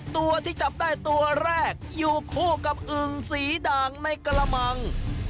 ตัวที่จับได้ตัวแรกอยู่คู่กับอึ่งสีด่างในกระมัง